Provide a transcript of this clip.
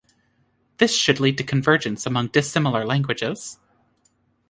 This should lead to convergence among dissimilar languages.